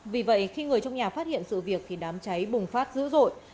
vì vậy khi người trong nhà phát hiện sự việc thì đám cháy bùng phát dữ dội